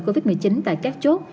covid một mươi chín tại các chốt